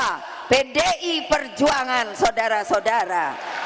kpi perjuangan saudara saudara